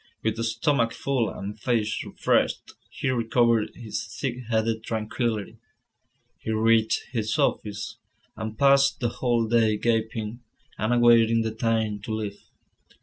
With stomach full, and face refreshed, he recovered his thick headed tranquillity. He reached his office, and passed the whole day gaping, and awaiting the time to leave.